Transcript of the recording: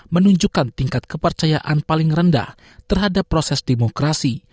menunjukkan tingkat kepercayaan paling rendah terhadap proses demokrasi